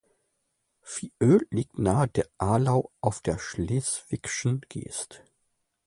Viöl liegt nah der Arlau auf der Schleswigschen Geest.